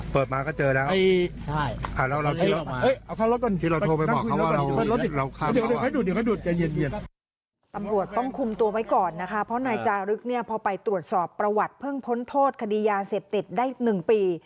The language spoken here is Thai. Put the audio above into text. เปิดมาก็เจอแล้วใช่ค่ะแล้วเราอะอะไร